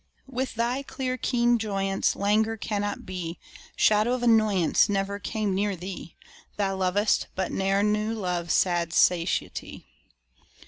With thy clear keen joyance Languor cannot be: Shadow of annoyance Never came near thee: Thou lovest, but ne'er knew love's sad satiety.